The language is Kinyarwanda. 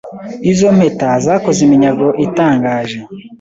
Izo mpeta zakoze iminyago itangaje